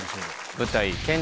舞台。